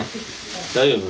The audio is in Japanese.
大丈夫？